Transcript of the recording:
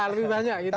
lebih banyak gitu ya